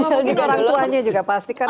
mungkin orang tuanya juga pasti kan